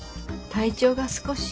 体調が少し。